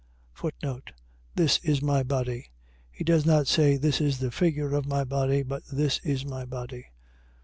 This is my body. . .He does not say, This is the figure of my body but This is my body.